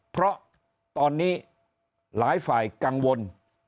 เพราะตอนนี้หลายฝ่ายกังวล